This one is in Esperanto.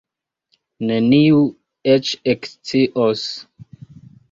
Neniu eĉ ekscios.